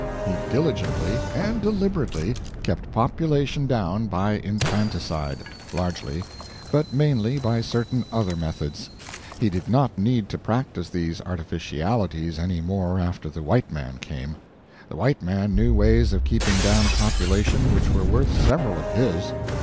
He diligently and deliberately kept population down by infanticide largely; but mainly by certain other methods. He did not need to practise these artificialities any more after the white man came. The white man knew ways of keeping down population which were worth several of his.